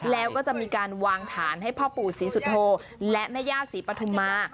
แล้วก็จะมีการวางฐานให้พ่อปู่ศรีสุโธและแม่ย่าศรีปฐุมา